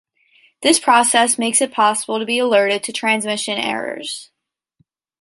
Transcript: This process makes it possible to be alerted to transmission errors.